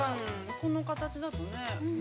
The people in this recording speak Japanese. ◆この形だとね。